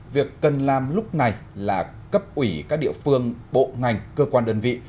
việc cần làm lúc này là cấp ủy các địa phương bộ ngành cơ quan đơn vị